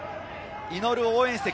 祈る応援席。